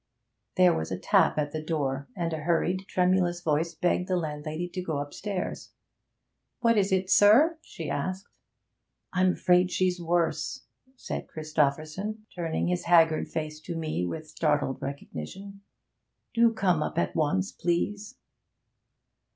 There was a tap at the door, and a hurried tremulous voice begged the landlady to go upstairs. 'What is it, sir?' she asked. 'I'm afraid she's worse,' said Christopherson, turning his haggard face to me with startled recognition. 'Do come up at once, please.'